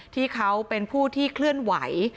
ที่เขาเป็นผู้ที่เคลื่อนไหว